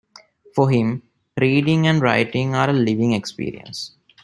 For him, reading and writing are a living experience.